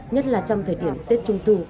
nhất là trong thời điểm tết trung thu